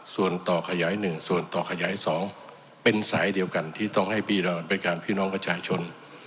ส่วนต่อขยาย๑ส่วนต่อขยาย๒เป็นสายเดียวกันที่ต้องให้พี่น้องบริการพี่น้องประชาชน